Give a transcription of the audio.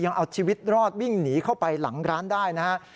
ยังเอาชีวิตรอดวิ่งหนีเข้าไปหลังร้านได้นะฮะ